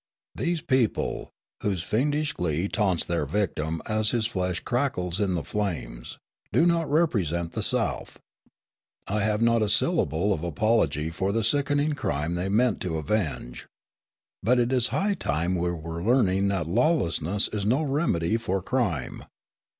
These people, whose fiendish glee taunts their victim as his flesh crackles in the flames, do not represent the South. I have not a syllable of apology for the sickening crime they meant to avenge. But it is high time we were learning that lawlessness is no remedy for crime.